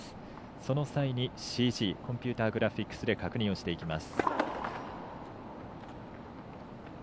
その際にＣＧコンピューターグラフィックスで確認をしていきます。